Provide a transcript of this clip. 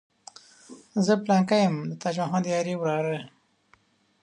زه پلانکی یم د تاج محمد یاري وراره.